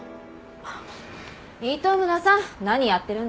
糸村さん何やってるんですか。